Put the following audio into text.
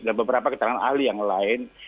dan beberapa keterangan ahli yang lain